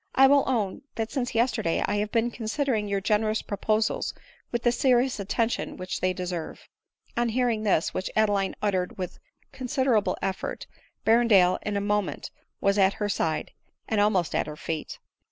I will own, that since yesterday I have been considering your generous proposals with the serious attention which they deserve." On hearing this, which Adeline uttered with consider able effort, Berrendale in a moment was at her side, and almost at her feet.